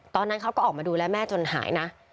ตอนนั้นเขาก็ออกมาดูแลแม่จนหายนะ